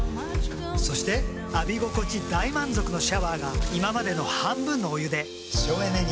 そして浴び心地大満足のシャワーが今までの半分のお湯で省エネに。